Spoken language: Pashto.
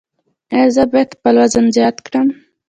ایا زه باید خپل وزن زیات کړم؟